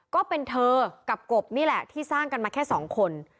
ก็เป็นเธอกับกบนี่แหละที่สร้างกันมาแค่สองคน